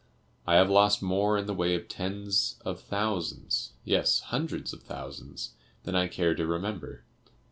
I have lost more in the way of tens of thousands, yes, hundreds of thousands, than I care to remember.